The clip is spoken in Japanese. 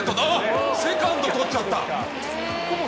セカンド取っちゃった。